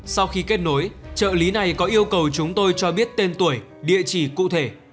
sau khi kết nối trợ lý này có yêu cầu chúng tôi cho biết tên tuổi địa chỉ cụ thể